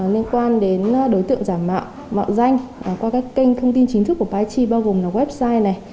nên quan đến đối tượng giả mạo mạo danh qua các kênh thông tin chính thức của paichi bao gồm là website